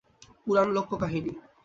পুরাণ, লোককাহিনী।